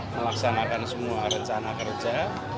melaksanakan semua rencana kerja